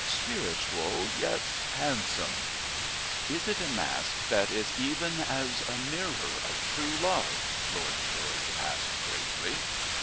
Spiritual, yet handsome." "Is it a mask that is even as a mirror of true love?" Lord George asked, gravely.